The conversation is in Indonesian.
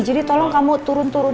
jadi tolong kamu turun turunin